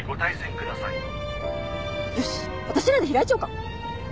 よし私らで開いちゃおうか。